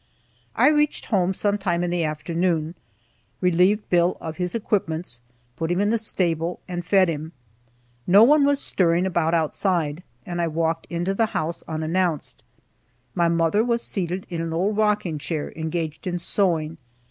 I reached home sometime in the afternoon, relieved Bill of his equipments, put him in the stable, and fed him. No one was stirring about outside, and I walked into the house unannounced. My mother was seated in an old rocking chair, engaged in sewing.